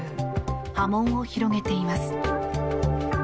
波紋を広げています。